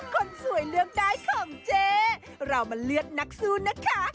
คนสวยเลือกได้ของเจ๊เรามาเลือกนักสู้นะคะ